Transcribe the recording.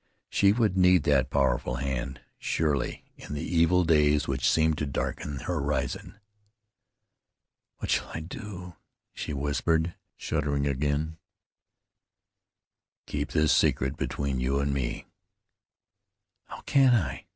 She would need that powerful hand, surely, in the evil days which seemed to darken the horizon. "What shall I do?" she whispered, shuddering again. "Keep this secret between you an' me." "How can I?